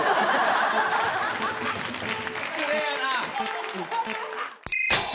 失礼やな。